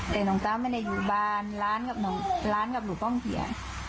แต่น้องสาวไม่ได้อยู่บ้านร้านกับหลุบห้องเขียน